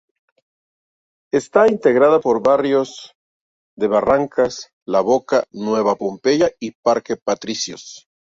Está integrada por los barrios de Barracas, La Boca, Nueva Pompeya y Parque Patricios.